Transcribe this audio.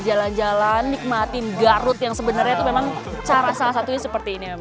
jalan jalan nikmatin garut yang sebenarnya itu memang cara salah satunya seperti ini